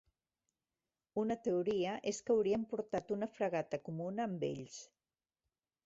Una teoria és que haurien portat una Fregata comuna amb ells.